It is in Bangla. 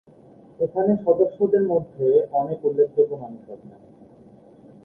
এখানে সদস্যদের মধ্যে অনেক উল্লেখযোগ্য মানুষ আছেন।